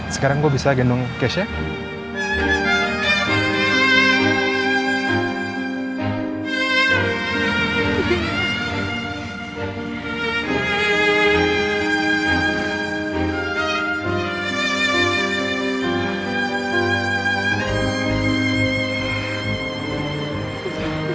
sekarang gue bisa gendong cash nya